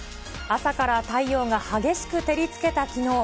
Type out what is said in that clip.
朝から太陽が激しく照りつけたきのう。